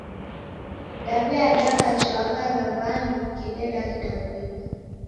Daw'iadaka chwaka ra w'andu w'ikideda kidaw'ida.